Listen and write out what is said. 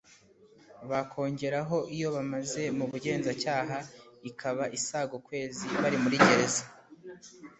bakongeraho iyo bamaze mu Bugenzacyaha ikaba isaga ukwezi bari muri gereza